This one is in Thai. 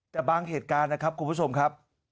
แต่บางเหตุการณ์นะครับคุณผู้ชมครับ